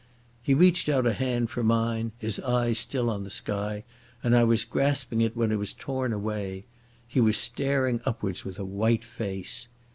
He reached out a hand for mine, his eyes still on the sky, and I was grasping it when it was torn away. He was staring upwards with a white face.